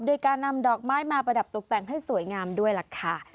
โดยการนำดอกไม้มาประดับตกแต่งให้สวยงามด้วยล่ะค่ะ